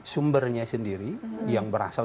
sumbernya sendiri yang berasal